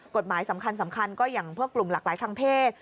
กฎหมายสำคัญก็อย่างพวกกลุ่มหลากหลายทางเพศ